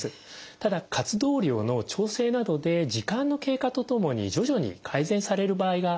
ただ活動量の調整などで時間の経過とともに徐々に改善される場合が多いです。